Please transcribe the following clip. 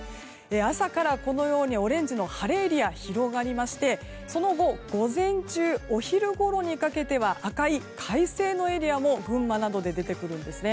朝からこのようにオレンジの晴れエリアが広がりまして、その後午前中、お昼ごろにかけては赤い、快晴のエリアも群馬などで出てくるんですね。